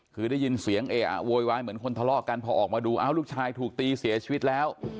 คือได้ยินเสียงเออะโวยวายเหมือนคนทะเลาะกันพอออกมาดูอ้าวลูกชายถูกตีเสียชีวิตแล้ว